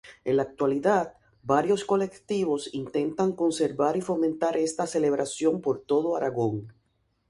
En la actualidad, varios colectivos intentan conservar y fomentar esta celebración por todo Aragón.